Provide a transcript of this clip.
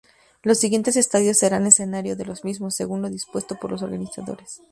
Los siguientes estadios serán escenario de los mismos, según lo dispuesto por los organizadores.